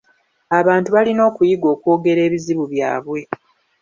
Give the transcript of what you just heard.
Abantu balina okuyiga okwogera ebizibu byabwe.